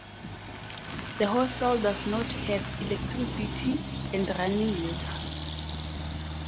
The hostel does not have electricity and running water.